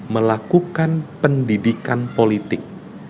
melakukan pendidikan politik